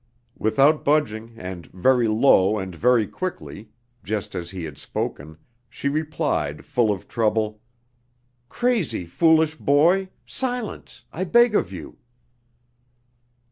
Without budging and very low and very quickly, just as he had spoken, she replied full of trouble: "Crazy! Foolish boy! Silence! I beg of you...."